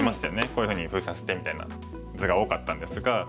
こういうふうに封鎖してみたいな図が多かったんですが。